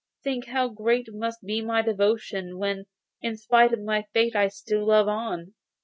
Think how great must be my devotion, when, in spite of my fate, I still love on!